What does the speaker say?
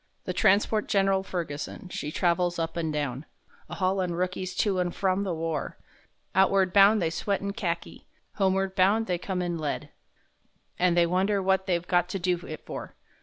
The transport Gen'ral Ferguson, she travels up and down, A haulin' rookies to and from the war; Outward bound they sweat in Kharki; homeward bound they come in lead And they wonder what they've got to do it for.